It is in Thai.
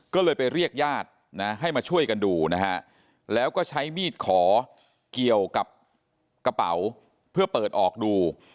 ก็เลยไปเรียกญาตินะให้มาช่วยกันดูนะฮะแล้วก็ใช้มีดขอเกี่ยวกับกระเป๋าเพื่อเปิดออกดู